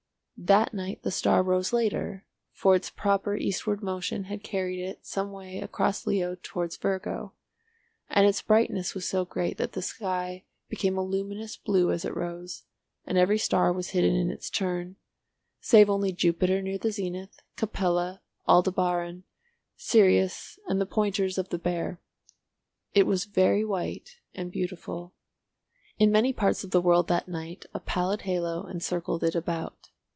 That night the star rose later, for its proper eastward motion had carried it some way across Leo towards Virgo, and its brightness was so great that the sky became a luminous blue as it rose, and every star was hidden in its turn, save only Jupiter near the zenith, Capella, Aldebaran, Sirius and the pointers of the Bear. It was very white and beautiful. In many parts of the world that night a pallid halo encircled it about.